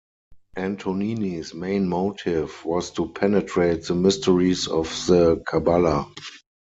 Antonini's main motive was to penetrate the mysteries of the Cabala.